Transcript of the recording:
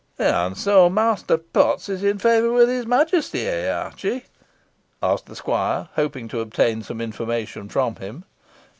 "And so Master Potts is in favour with his Majesty, eh, Archie?" asked the squire, hoping to obtain some information from him.